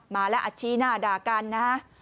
มาแล้วอัดชี้หน้าด่ากันนะฮะ